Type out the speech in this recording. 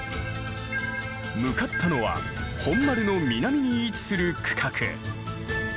向かったのは本丸の南に位置する区画。